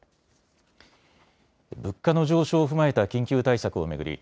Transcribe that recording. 物価の上昇を踏まえた緊急対策を巡り